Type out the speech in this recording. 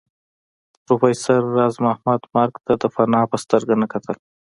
پروفېسر راز محمد مرګ ته د فناء په سترګه نه کتل